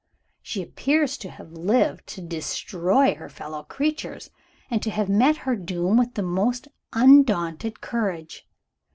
She appears to have lived to destroy her fellow creatures, and to have met her doom with the most undaunted courage.